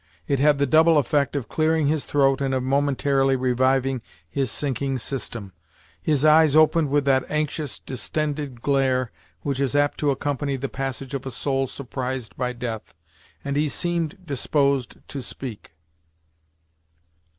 It had the double effect of clearing his throat and of momentarily reviving his sinking system. His eyes opened with that anxious, distended gaze which is apt to accompany the passage of a soul surprised by death, and he seemed disposed to speak.